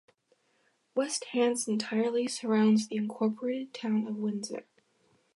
West Hants entirely surrounds the incorporated Town of Windsor.